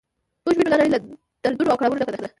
موږ وینو دا نړۍ له دردونو او کړاوونو ډکه ده.